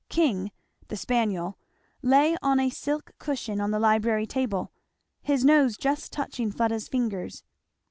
King, the spaniel, lay on a silk cushion on the library table, his nose just touching Fleda's fingers.